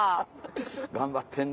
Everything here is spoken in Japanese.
頑張ってんで。